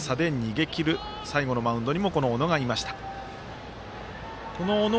１点差で逃げきる最後のマウンドにもこの小野がいました。